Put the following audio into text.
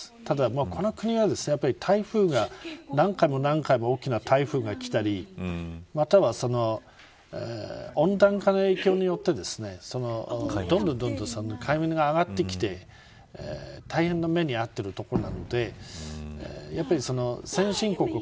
ただ、この国は台風が何回も大きな台風が来たりまたは、温暖化の影響によってどんどん海面が上がってきて大変な目に遭っているところなのでやっぱり、先進国